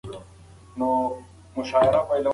کړکۍ د شمال د تېز باد له امله ښورېږي.